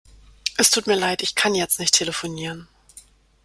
Es tut mir leid. Ich kann jetzt nicht telefonieren.